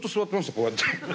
こうやって。